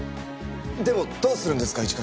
でもどうするんですか？